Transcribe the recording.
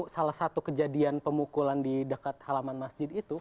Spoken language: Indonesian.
salah satu kejadian pemukulan di dekat halaman masjid itu